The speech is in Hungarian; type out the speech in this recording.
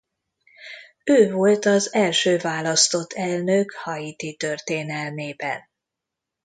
Ő volt az első választott elnök Haiti történelmében.